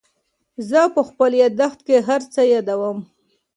زه په خپل یادښت کې هر څه یادوم.